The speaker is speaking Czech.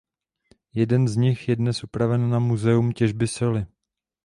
Jeden z nich je dnes upraven na muzeum těžby soli.